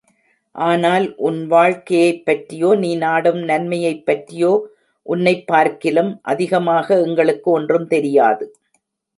ஆனால், உன் வாழ்க்கையைப் பற்றியோ, நீ நாடும் நன்மையைப் பற்றியோ, உன்னைப் பார்க்கிலும் அதிகமாக எங்களுக்கு ஒன்றும் தெரியாது.